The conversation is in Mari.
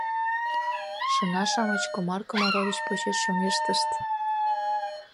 Шыҥа-шамыч Комар Комарович почеш чоҥештышт.